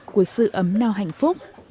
của sự ấm nao hạnh phúc